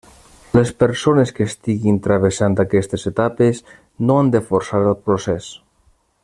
Les persones que estiguin travessant aquestes etapes no han de forçar el procés.